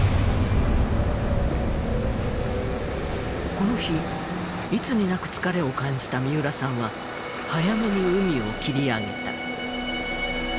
この日いつになく疲れを感じた三浦さんは早めに海を切り上げた。